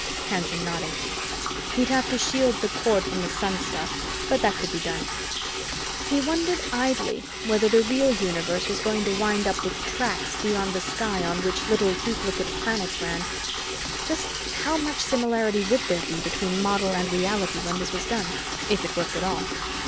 Hanson nodded. He'd have to shield the cord from the sun stuff, but that could be done. He wondered idly whether the real universe was going to wind up with tracks beyond the sky on which little duplicate planets ran just how much similarity would there be between model and reality when this was done, if it worked at all?